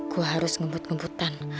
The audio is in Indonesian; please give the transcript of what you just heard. gue harus ngembut ngembutan